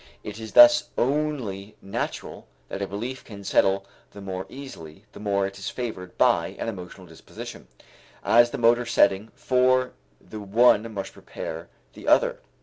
It is thus only natural that a belief can settle the more easily, the more it is favored by an emotional disposition, as the motor setting for the one must prepare the other.